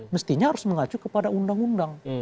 mestinya harus mengacu kepada undang undang